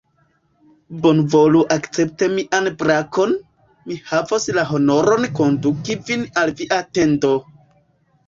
Bonvolu akcepti mian brakon: mi havos la honoron konduki vin al via tendo.